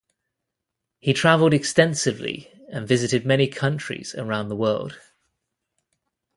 He traveled extensively and visited many countries around the world.